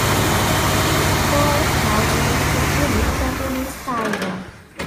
Its goal now was to fully Japanize Taiwan.